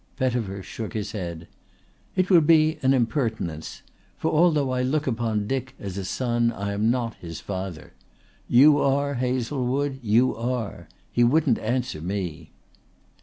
Pettifer shook his head. "It would be an impertinence. For although I look upon Dick as a son I am not his father. You are, Hazlewood, you are. He wouldn't answer me."